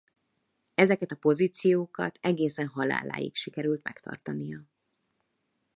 Ezeket a pozíciókat egészen halálig sikerült megtartania.